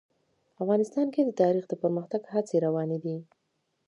افغانستان کې د تاریخ د پرمختګ هڅې روانې دي.